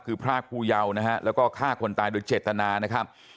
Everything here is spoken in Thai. ฆ่าครูเยาว์นะฮะแล้วก็ฆ่าคนตายโดยเฉตนานะครับ